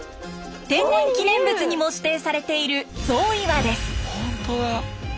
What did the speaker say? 天然記念物にも指定されている象岩です。